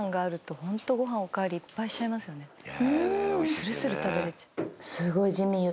「するする食べれちゃう」